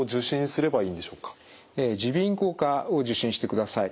耳鼻咽喉科を受診してください。